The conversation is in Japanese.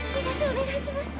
お願いします。